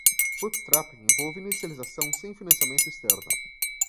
Bootstrapping envolve inicialização sem financiamento externo.